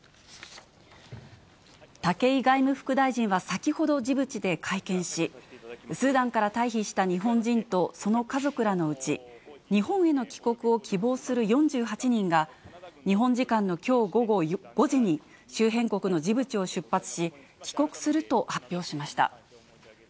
武井外務副大臣は先ほど、ジブチで会見し、スーダンから退避した日本人と、その家族らのうち、日本への帰国を希望する４８人が、日本時間のきょう午後５時に周辺国のジブチを出発し、帰国すると発表しました。